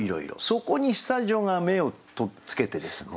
そこに久女が目を取っつけてですね。